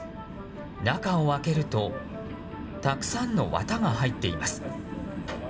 中を開けるとたくさんの綿が入っています。